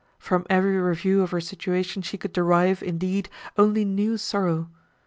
From every review of her situation she could derive, indeed, only new sorrow.